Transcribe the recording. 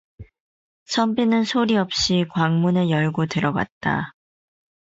선비는 소리 없이 광문을 열고 들어갔다.